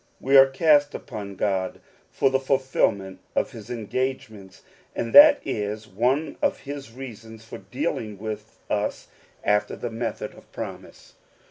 We are cast upon God for the fulfilment of his en gagements, and that is one of his reasons for dealing with us after the method of promise.